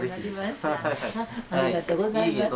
ありがとうございます。